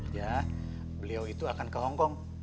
ya beliau itu akan ke hongkong